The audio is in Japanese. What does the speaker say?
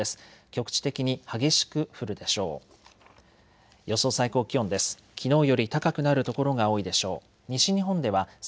局地的に激しく降るでしょう。